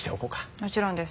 もちろんです。